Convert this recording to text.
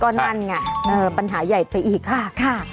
นั่นไงปัญหาใหญ่ไปอีกค่ะ